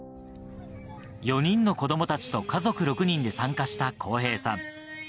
４人の子供たちと家族６人で参加した康平さん。